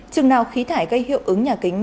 trừng nào khí thải gây hiệu ứng nhà kính